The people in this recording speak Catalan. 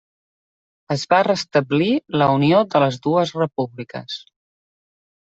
Es va restablir la unió de les dues repúbliques.